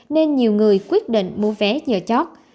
nên nhiều người quyết định mua vé nhờ chót